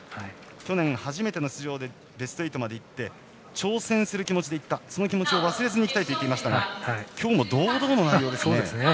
去年初めての出場でベスト８までいって挑戦する気持ちでいったその気持ちを忘れずいきたいといっていますが今日も堂々の内容ですね。